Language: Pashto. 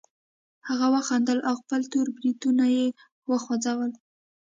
هغه وخندل او خپل تور بریتونه یې وغوړول